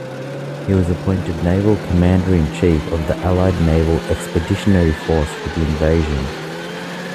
He was appointed Naval Commander-in-Chief of the Allied Naval Expeditionary Force for the invasion.